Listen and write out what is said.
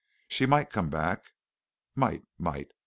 She might come back. Might! Might!